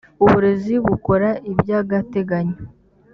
uburezi bukora ibyagateganyo.